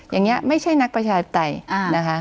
ยังงี้ไม่ใช่นักประชาธิษภัยนะฮะ